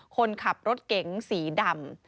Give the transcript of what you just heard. คนขับรถเก๋งสีดำ